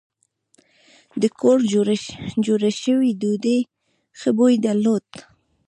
د کور جوړه شوې ډوډۍ ښه بوی درلود.